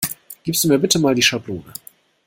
Gibst du mir bitte Mal die Schablone?